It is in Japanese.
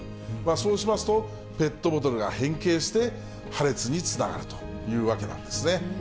そうしますと、ペットボトルが変形して、破裂につながるというわけなんですね。